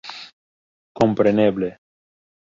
Kompreneble.